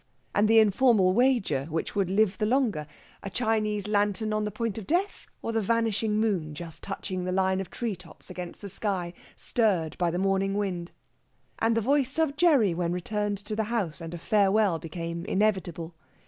And the informal wager which would live the longer a Chinese lantern at the point of death, or the vanishing moon just touching the line of tree tops against the sky, stirred by the morning wind. And the voice of Gerry when return to the house and a farewell became inevitable.